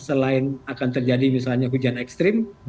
selain akan terjadi misalnya hujan ekstrim